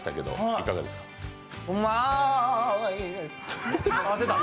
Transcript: うまい。